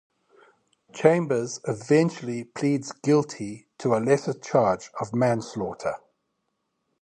Chambers eventually pleads guilty to a lesser charge of manslaughter.